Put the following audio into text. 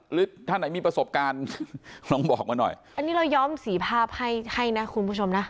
หรือถ้าไหนมีประสบการณ์ลองบอกมาหน่อยอันนี้เราย้อมสีภาพให้ให้นะคุณผู้ชมนะ